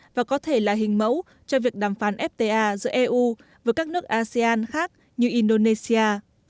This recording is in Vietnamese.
evfta sẽ phát triển và có thể là hình mẫu cho việc đàm phán fta giữa eu với các nước asean khác như indonesia